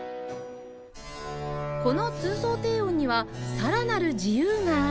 この通奏低音にはさらなる自由があり